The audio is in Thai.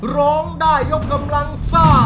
ร้องได้ยกกำลังซ่า